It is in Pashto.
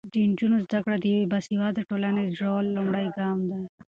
د نجونو زده کړه د یوې باسواده ټولنې د جوړولو لومړی ګام دی.